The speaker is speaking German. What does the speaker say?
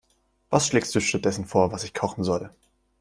Was schlägst du stattdessen vor, was ich kochen soll?